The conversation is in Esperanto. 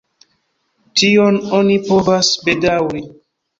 Tion oni povas bedaŭri.